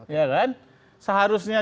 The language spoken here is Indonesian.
ya kan seharusnya